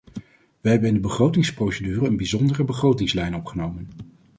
We hebben in de begrotingsprocedure een bijzondere begrotingslijn opgenomen.